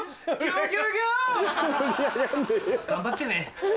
頑張ってね。